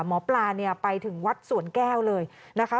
หมอปลาเนี่ยไปถึงวัดสวนแก้วเลยนะคะ